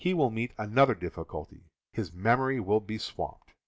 will meet another difficulty. His mem ory will be swamped!